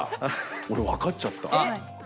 俺分かっちゃった。